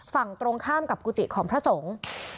ฝั่งตรงข้ามกับกุฏิของพระสงฆ์